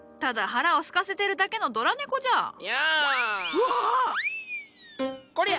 うわっ！こりゃ。